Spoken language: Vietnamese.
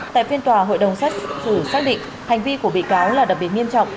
tại phiên tòa hội đồng xét xử xác định hành vi của bị cáo là đặc biệt nghiêm trọng